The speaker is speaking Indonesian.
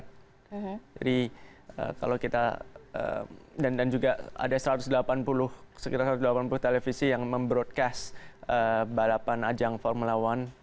dan juga ada sekitar satu ratus delapan puluh televisi yang membroadcast balapan ajang formula satu